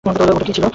ওটা কি ছিল?